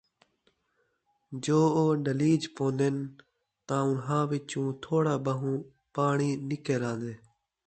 جو او ݙَلیج پوندن تاں اُنھاں وِچوں تھوڑا ٻہوں پاݨیں نکل آندے،